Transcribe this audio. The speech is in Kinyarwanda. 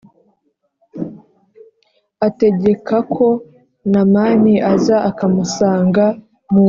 Ategekako namani aza akamusanga mungoro